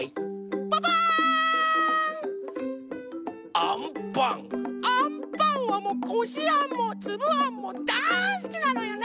アンパンはもうこしあんもつぶあんもだいすきなのよね。